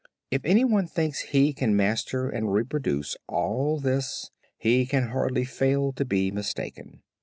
If any one thinks he can master and reproduce all this, he can hardly fail to be mistaken.